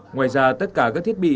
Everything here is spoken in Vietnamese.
ngoài ra tất cả các thiết bị